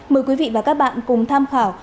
mời quý vị và các bạn cùng tham khảo